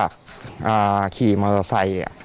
อ่าขี่มอเตอร์ไซค์เนี่ย